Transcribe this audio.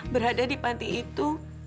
berada di panti itu